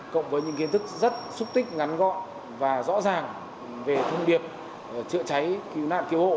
cộng với những kiến thức rất xúc tích ngắn gọn và rõ ràng về thông điệp chữa cháy cứu nạn cứu hộ